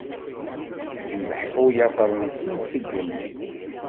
Imeḥḥu later-nsen si ddunit.